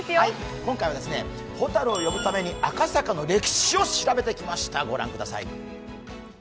今回はホタルを呼ぶために赤坂の歴史を調べてきました。